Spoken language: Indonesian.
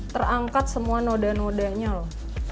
terangkat semua noda nodanya loh